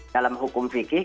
dalam hukum fiqih